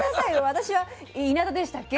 私はいなだでしたっけ？